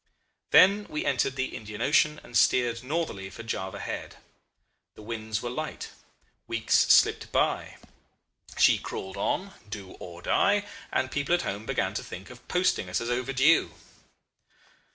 "Then we entered the Indian Ocean and steered northerly for Java Head. The winds were light. Weeks slipped by. She crawled on, do or die, and people at home began to think of posting us as overdue.